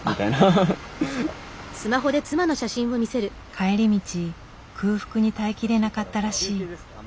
帰り道空腹に耐えきれなかったらしい。